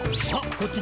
こっち？